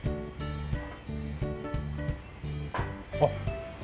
あっ。